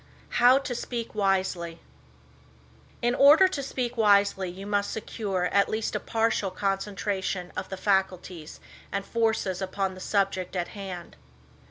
How to Speak Wisely. In order to speak wisely you must secure at least a partial concentration of the faculties and forces upon the subject at hand.